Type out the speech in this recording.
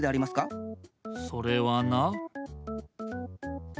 それはな。